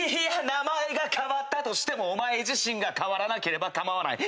名前が変わったとしてもお前自身が変わらなければ構わない。